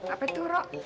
apa itu rok